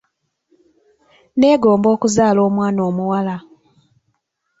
Neegomba okuzaala omwana omuwala.